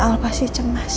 masalah pasti cemas